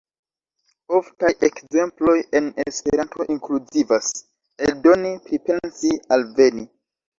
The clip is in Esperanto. Oftaj ekzemploj en Esperanto inkluzivas "eldoni", "pripensi", "alveni".